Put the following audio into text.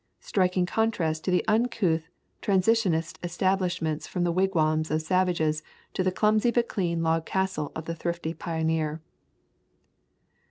Striking contrast to the un [ 42 ] The Cumberland Mountains couth transitionist establishments from the wigwams of savages to the clumsy but clean log castle of the thrifty pioneer.